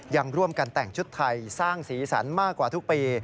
ยังร่วมกันแต่งชุดไทยสร้างสีสันมากกว่าทุกปี